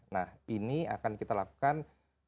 nah ini akan kita lakukan melalui kerjasama